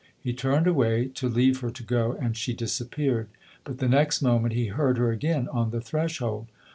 He turned away to leave her to go, and she disappeared ; but the next moment he heard her again on the threshold.